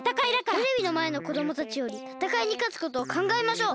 テレビのまえのこどもたちよりたたかいにかつことをかんがえましょう。